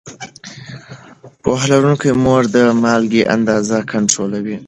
پوهه لرونکې مور د مالګې اندازه کنټرولوي.